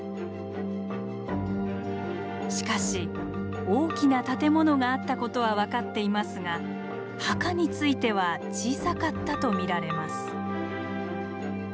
しかし大きな建物があったことは分かっていますが墓については小さかったと見られます。